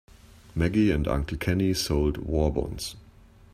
Maggie and Uncle Kenny sold war bonds.